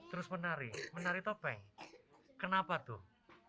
terus menari menari topeng kenapa tuh